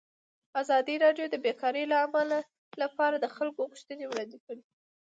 ازادي راډیو د بیکاري لپاره د خلکو غوښتنې وړاندې کړي.